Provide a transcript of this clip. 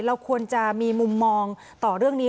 เราควรจะมีมุมมองต่อเรื่องนี้